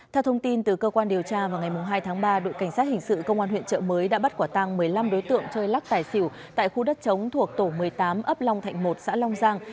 theo thông tin từ cơ quan điều tra vào ngày hai tháng ba đội cảnh sát hình sự công an huyện trợ mới đã bắt quả tăng một mươi năm đối tượng chơi lắc tài xỉu tại khu đất chống thuộc tổ một mươi tám ấp long thạnh một xã long giang